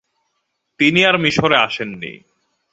তিনি আর মিশরে আসেননি।